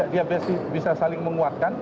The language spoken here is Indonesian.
dia bisa saling menguatkan